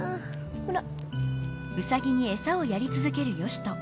ほら。